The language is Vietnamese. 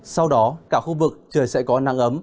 sau đó cả khu vực trời sẽ có nắng ấm